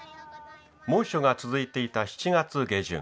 猛暑が続いていた７月下旬。